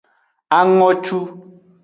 Angotu.